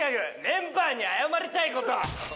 「メンバーに謝りたいこと」